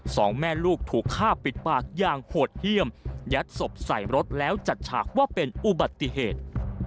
สองแม่ลูกถูกฆ่าปิดปากอย่างโหดเยี่ยมยัดศพใส่รถแล้วจัดฉากว่าเป็นอุบัติเหตุ